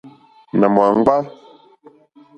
Nà mò wàŋɡbá.